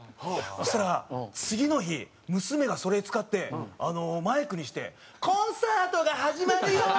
そしたら次の日娘がそれ使ってマイクにして「コンサートが始まるよ！」って言って。